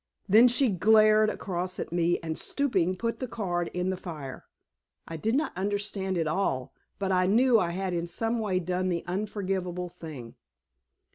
Then she glared across at me and, stooping, put the card in the fire. I did not understand at all, but I knew I had in some way done the unforgivable thing.